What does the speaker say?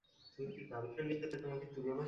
মা, বাবা!